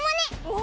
お！